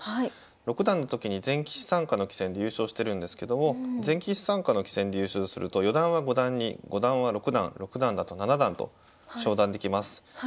六段の時に全棋士参加の棋戦で優勝してるんですけども全棋士参加の棋戦で優勝すると四段は五段に五段は六段六段だと七段と昇段できます。